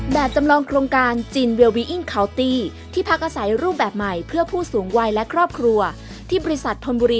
จำลองโครงการจีนเวลบีอิ้งเขาตีที่พักอาศัยรูปแบบใหม่เพื่อผู้สูงวัยและครอบครัวที่บริษัทธนบุรี